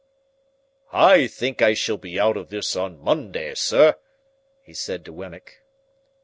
"I think I shall be out of this on Monday, sir," he said to Wemmick.